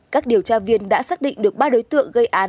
các điều tra viên đã xác định được ba đối tượng gây án